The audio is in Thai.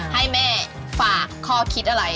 ให้แม่ฝากข้อคิดอะไร